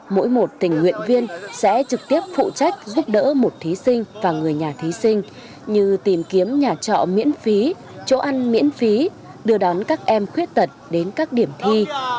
mỗi một tình nguyện viên sẽ trực tiếp phụ trách giúp đỡ một thí sinh và người nhà thí sinh như tìm kiếm nhà trọ miễn phí chỗ ăn miễn phí đưa đón các em khuyết tật đến các điểm thi